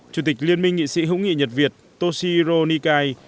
chủ tịch liên minh nghị sĩ hữu nghị nhật việt toshiro nikai